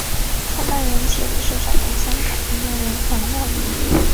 创办人及理事长为香港音乐人黄耀明。